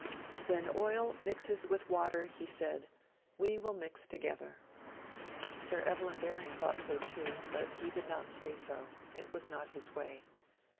'When oil mixes with water,' he said, 'we will mix together.' Sir Evelyn Baring thought so too; but he did not say so; it was not his way.